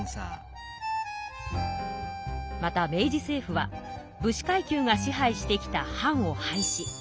また明治政府は武士階級が支配してきた藩を廃止。